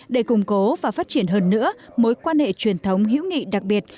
để củng cố và phát triển hơn nữa mối quan hệ truyền thống hữu nghị đặc biệt